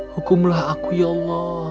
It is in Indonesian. hukumlah aku ya allah